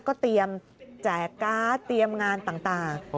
ก็เตรียมแจกการ์ดเตรียมงานต่าง